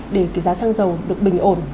để cái giá xăng dầu được bình ổn